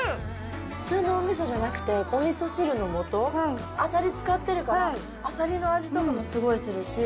普通のおみそじゃなくて、おみそ汁のもと、アサリ使ってるから、アサリの味とかもすごいするし。